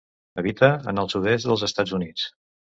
Habita en el sud-est dels Estats Units.